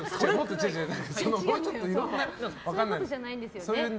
そういうのじゃないんですよね。